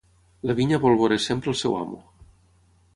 La vinya vol veure sempre el seu amo.